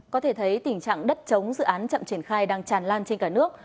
có thể thấy tình trạng đất chống dự án chậm triển khai đang tràn lan trên cả nước